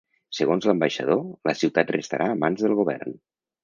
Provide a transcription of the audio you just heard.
Segons l’ambaixador, la ciutat restarà a mans del govern.